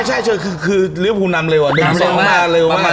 ใช่คือเรียกว่าพูดนำเร็วอะเดินเร็วมาก